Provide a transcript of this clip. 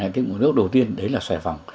cái hồn cốt đầu tiên đấy là xòe vòng